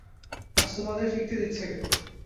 আজ তোমাকে ফিরতে দিচ্ছে কে?